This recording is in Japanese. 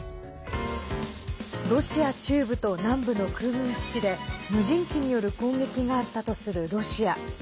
ロシア中部と南部の空軍基地で無人機による攻撃があったとするロシア。